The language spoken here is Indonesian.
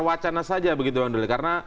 wacana saja begitu bang doli karena